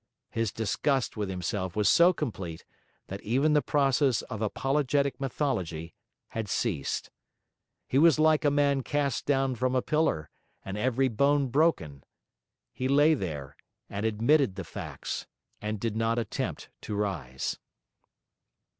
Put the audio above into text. His disgust with himself was so complete that even the process of apologetic mythology had ceased. He was like a man cast down from a pillar, and every bone broken. He lay there, and admitted the facts, and did not attempt to rise.